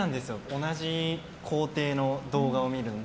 同じ工程の動画を見るの。